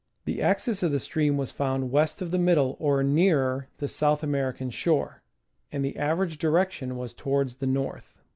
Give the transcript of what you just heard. The axis of the stream was found west of the middle, or nearer the South American shore, and the average direction was towards the north.